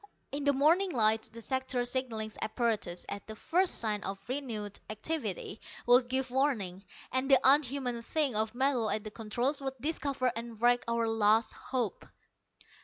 In the morning light, the sector signalling apparatus, at the first sign of renewed activity, would give warning, and the unhuman thing of metal at the controls would discover and wreck our last hope.